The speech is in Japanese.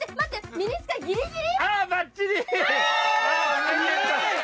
ミニスカギリギリ。